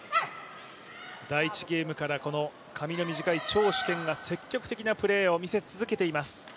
第１ゲームから髪の短い張殊賢が積極的なプレーを見せ続けています。